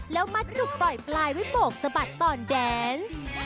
แล้วมัดจุกปล่อยปลายไว้โบกสะบัดก่อนแดนซ์